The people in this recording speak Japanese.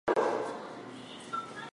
攻めた結果